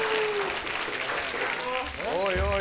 おいおい